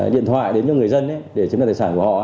điện thoại đến cho người dân để chiếm đoạt tài sản của họ